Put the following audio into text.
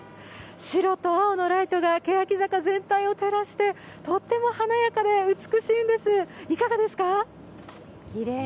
白と青のライトがけやき坂全体を照らしてとっても華やかで美しいんです。